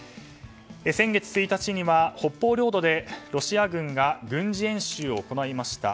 先月１日には、北方領土でロシア軍が軍事演習を行いました。